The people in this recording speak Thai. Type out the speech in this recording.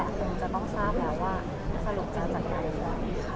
คงจะต้องทราบแล้วว่าสรุปจะจัดการไว้ไว้ค่ะ